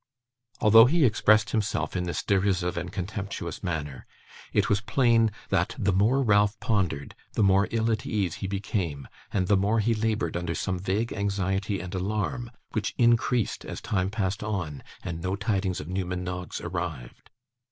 Although he expressed himself in this derisive and contemptuous manner, it was plain that, the more Ralph pondered, the more ill at ease he became, and the more he laboured under some vague anxiety and alarm, which increased as the time passed on and no tidings of Newman Noggs arrived.